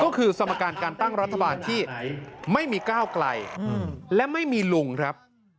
ก็คือสมการการตั้งรัฐบาลที่ไม่มีก้าวไกลและไม่มีลุงครับ